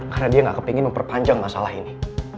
karena dia gak kepengen memperpanjang masalah ini